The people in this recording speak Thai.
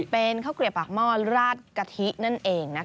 เป็นข้าวเกลียบปากหม้อราดกะทินั่นเองนะคะ